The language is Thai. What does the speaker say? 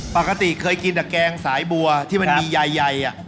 ปกติเคยกินแต่แกงสายบัวที่มันมีใหญ่